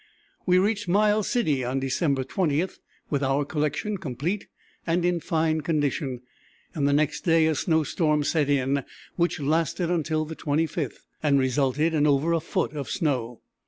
We reached Miles City on December 20, with our collection complete and in fine condition, and the next day a snow storm set in which lasted until the 25th, and resulted in over a foot of snow.